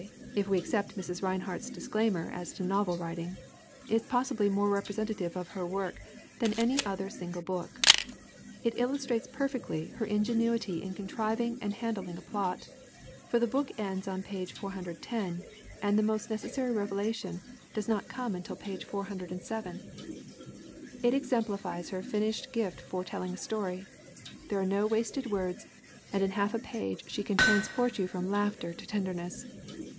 if we accept Mrs. Rine hart's disclaimer as to novel writing is possibly more representative of her work than any other single book. It illustrates perfectly her ingenuity in contriving and handling a plot; for the book ends on page 410 and the most necessary revelation does not come until page MARY ROBERTS RINEHART 63 407. It exemplifies her finished gift for telling a story ; there are no wasted words and in half a page she can transport you from laughter to tenderness.